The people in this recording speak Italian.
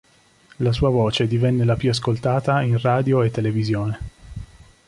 La sua voce divenne la più ascoltata in radio e televisione.